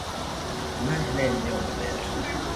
mae ne en yo maber